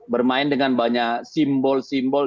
bermain dengan banyak simbol simbol